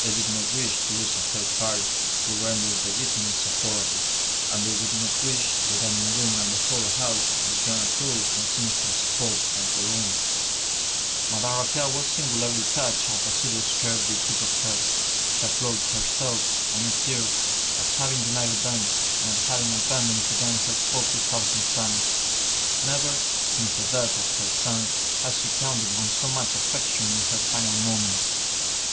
They did not wish to lose a third party who rendered their evenings supportable; and they did not wish the dining room and the whole house to become a cruel and sinister spot like their room. Madame Raquin was singularly touched at the assiduous care they took of her. She applauded herself, amid tears, at having united them, and at having abandoned to them her forty thousand francs. Never, since the death of her son, had she counted on so much affection in her final moments.